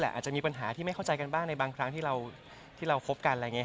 หรืออาจจะมีปัญหาที่ไม่เข้าใจกันบ้างในบางครั้งที่เราคบกัน